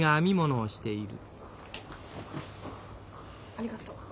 ありがとう。